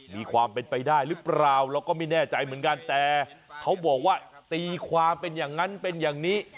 มีความเป็นไปได้หรือเปล่าเราก็ไม่แน่ใจเหมือนกันแต่เขาบอกว่าตีความเป็นอย่างนั้นเป็นอย่างนี้